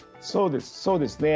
そうですね。